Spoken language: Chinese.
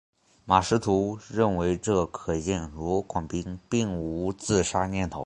马识途认为这可见罗广斌并无自杀念头。